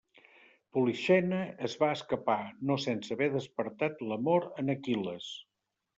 Polixena es va escapar, no sense haver despertat l'amor en Aquil·les.